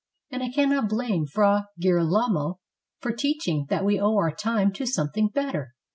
And I cannot blame Fra Girolamo for teaching that we owe our time to something better."